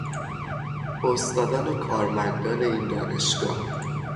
استادان و کارمندان این دانشگاه